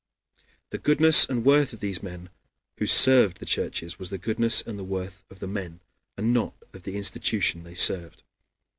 The goodness and worth of these men who served the churches was the goodness and worth of the men, and not of the institution they served.